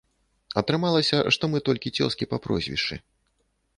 Атрымалася, што мы толькі цёзкі па прозвішчы.